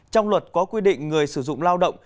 trong luật có quy định người sử dụng lao động